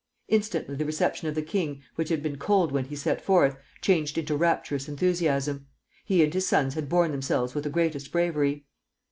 Instantly the reception of the king, which had been cold when he set forth, changed into rapturous enthusiasm. He and his sons had borne themselves with the greatest bravery.